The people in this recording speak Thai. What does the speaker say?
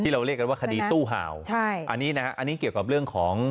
เราเรียกกันว่าคดีตู้ห่าวใช่อันนี้นะฮะอันนี้เกี่ยวกับเรื่องของ